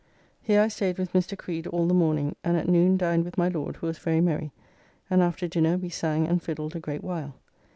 Here I staid with Mr. Creed all the morning, and at noon dined with my Lord, who was very merry, and after dinner we sang and fiddled a great while.